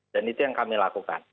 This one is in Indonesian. dan itu yang kami lakukan